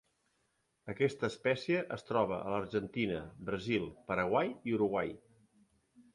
Aquesta espècie es troba a l'Argentina, Brasil, Paraguai i Uruguai.